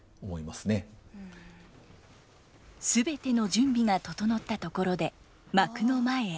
全ての準備が整ったところで幕の前へ。